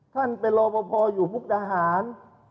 ท่านเป็นรอปภอยู่มุกดาหาร